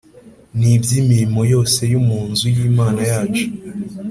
n iby imirimo yose yo mu nzu y Imana yacu